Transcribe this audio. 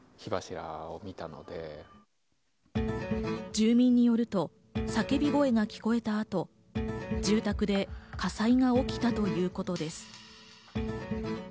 住民によると、叫び声が聞こえた後、住宅で火災が起きたということです。